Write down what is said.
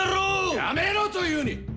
やめろと言うに！